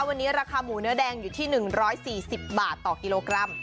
วันนี้ราคาหมูเนื้อแดงอยู่ที่๑๔๐บาทต่อกิโลกรัม